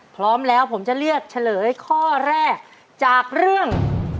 พร้อมแล้วผมจะเลือกเฉลยข้อแรกจากเรื่อง